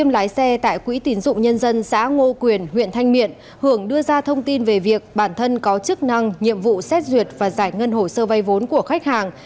lái xe tại quỹ tín dụng nhân dân xã ngô quyền huyện thanh miện hưởng đưa ra thông tin về việc bản thân có chức năng nhiệm vụ xét duyệt và giải ngân hồ sơ vay vốn của khách hàng